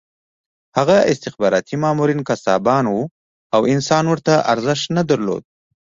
هغه استخباراتي مامورین قصابان وو او انسان ورته ارزښت نه درلود